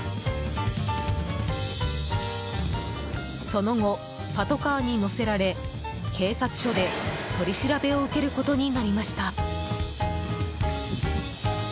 その後、パトカーに乗せられ警察署で取り調べを受けることになりました。